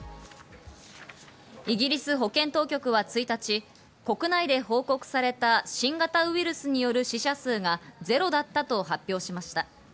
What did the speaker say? イギリス保健当局は１日、国内で報告された新型ウイルスによる死者数がゼロだったと発表しました。